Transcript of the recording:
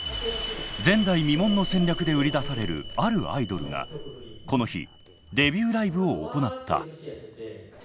前代未聞の戦略で売り出されるあるアイドルがこの日デビューライブを行った。